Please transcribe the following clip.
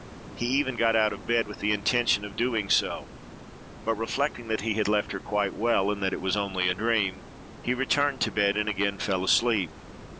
He even got out of bed with the intention of doing so, but, reflecting that he had left her quite well, and that it was only a dream, he returned to bed, and again fell asleep.